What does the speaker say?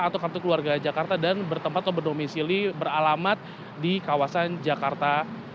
atau kartu keluarga jakarta dan bertempat atau berdomisili beralamat di kawasan jakarta